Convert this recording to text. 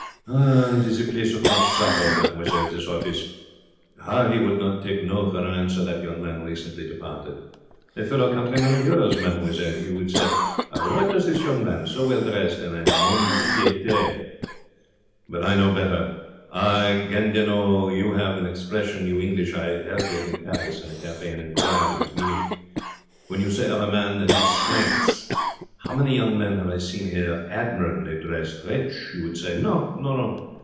'It is a place of much sorrow, mademoiselle, this office. How he would not take no for an answer, that young man, recently departed. A fellow countryman of yours, mademoiselle. You would say, "What does this young man, so well dressed, in a mont de piete?" But I know better, I, Gandinot. You have an expression, you English I heard it in Paris in a cafe, and inquired its meaning when you say of a man that he swanks. How many young men have I seen here, admirably dressed rich, you would say. No, no.